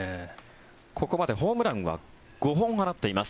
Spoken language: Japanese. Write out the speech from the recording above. ここまでホームランは５本放っています。